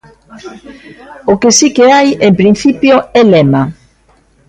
O que si que hai, en principio, é lema.